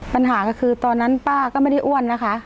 ปัญหาก็คือตอนนั้นป้าก็ไม่ได้อ้วนนะคะ